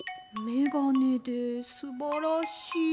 めがねですばらしい。